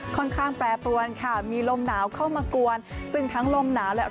ค่อนข้างแปรปวนค่ะมีลมหนาวเข้ามากวนซึ่งทั้งลมหนาและล่อง